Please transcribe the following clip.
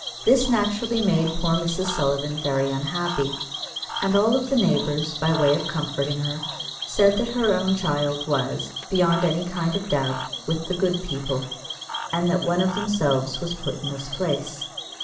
This naturally made poor Mrs. Sullivan very unhappy; and all the neighbours, by way of comforting her, said that her own child was, beyond any kind of doubt, with the good people, and that one of themselves was put in his place.